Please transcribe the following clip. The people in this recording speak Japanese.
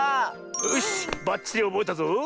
よしばっちりおぼえたぞ！